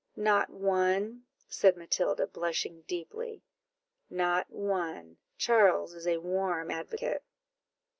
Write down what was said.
"Not one!" said Matilda, blushing deeply. "Not one! Charles is a warm advocate."